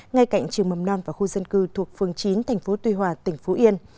ngay cạnh trường mầm non và khu dân cư thuộc phường chín thành phố tuy hòa tỉnh phú yên